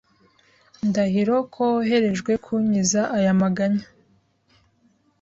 Ndahiro ko woherejwe kunkiza ayamaganya